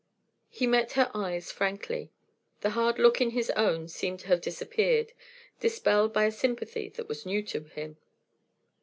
He met her eyes frankly. The hard look in his own seemed to have disappeared, dispelled by a sympathy that was new to him.